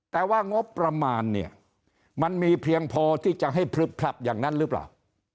แต่ว่างบประมาณเนี่ยมันมีเพียงพอที่จะให้พลึบพลับอย่างนั้นหรือเปล่า